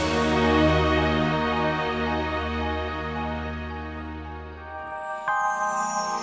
kamu anak papa yang kuat